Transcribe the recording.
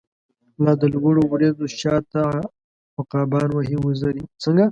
لا د لوړو وریځو شا ته، عقابان وهی وزری